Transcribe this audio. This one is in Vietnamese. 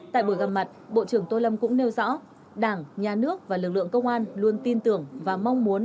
tại buổi gặp mặt bộ trưởng tô lâm cũng nêu rõ đảng nhà nước và lực lượng công an luôn tin tưởng và mong muốn